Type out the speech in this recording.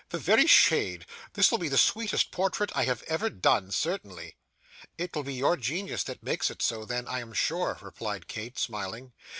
'The very shade! This will be the sweetest portrait I have ever done, certainly.' 'It will be your genius that makes it so, then, I am sure,' replied Kate, smiling.